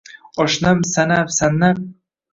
Oshnam sannab-sannab